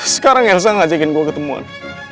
sekarang elsa ngajakin gue ketemuan